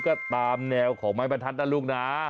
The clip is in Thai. ก็ตามแนวของไมน์บันทัศน์น่ะลูกนา